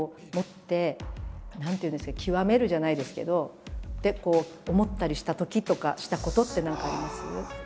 何ていうんですか極めるじゃないですけどって思ったりしたときとかしたことって何かあります？